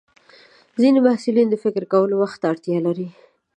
ځینې محصلین د فکر کولو وخت ته اړتیا لري.